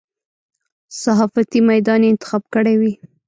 صحافتي میدان یې انتخاب کړی وي.